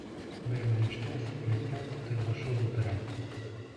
Бер мөйөштә, ситлектә, тутыйғошо ултыра.